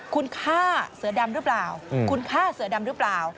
คุณฆ่าเสือดำหรือเปล่า